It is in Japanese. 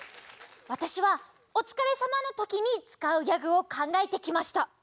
わたしはおつかれさまのときにつかうギャグをかんがえてきました。